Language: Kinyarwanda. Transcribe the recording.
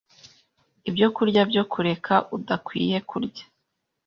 Ibyo kurya byo kureka udakwiye krya